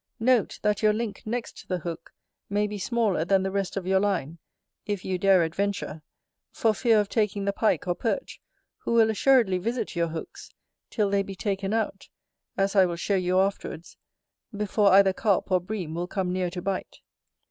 Note, that your link next the hook may be smaller than the rest of your line, if you dare adventure, for fear of taking the Pike or Perch, who will assuredly visit your hooks, till they be taken out, as I will show you afterwards, before either Carp or Bream will come near to bite.